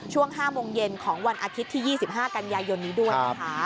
ช่วง๕โมงเย็นของวันอาทิตย์ที่๒๕กันยายนนี้ด้วยนะคะ